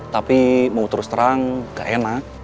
tapi mau terus terang gak enak